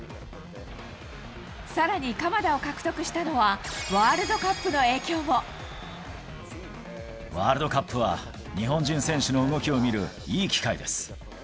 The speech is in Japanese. さらに鎌田を獲得したのは、ワールドカップは、日本人選手の動きを見るいい機会です。